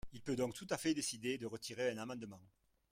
Il peut donc tout à fait décider de retirer un amendement.